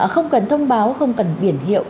không cần thông báo không cần biển hiệu